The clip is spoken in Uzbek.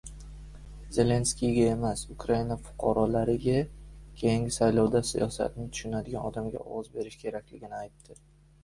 Zelenskiyga emas: Ukraina fuqarolariga keyingi saylovda siyosatni tushunadigan odamga ovoz berish kerakligi aytildi